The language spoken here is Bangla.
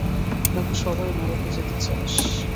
নাকি সবাই নরকে যেতে চাস!